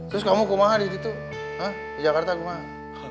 terus kamu kumaha di tito ha di jakarta kumaha